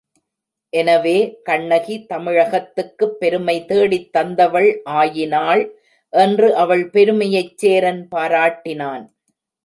எனவே கண்ணகி தமிழகத்துக்குப் பெருமை தேடித் தந்தவள் ஆயினாள் என்று அவள் பெருமையைச் சேரன் பாராட்டினான்.